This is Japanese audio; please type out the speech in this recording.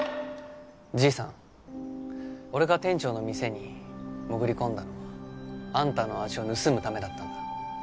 じいさん俺が店長の店に潜り込んだのはあんたの味を盗むためだったんだ。